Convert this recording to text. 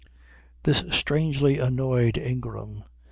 This strangely annoyed Ingram.